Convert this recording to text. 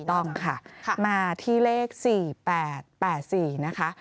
ต้องค่ะมาที่เลข๔๘๘๔นะคะ